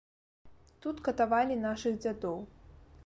Тут катавалі нашых дзядоў.